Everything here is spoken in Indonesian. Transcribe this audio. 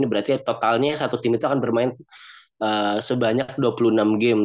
jadi kita lihat ya totalnya satu tim itu akan bermain sebanyak dua puluh enam game